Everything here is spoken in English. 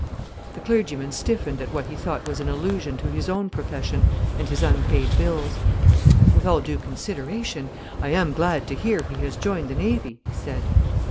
The clergyman stiffened at what he thought was an allusion to his own profession, and his unpaid bills. "With all due consideration, I am glad to hear he has joined the Navy," he said.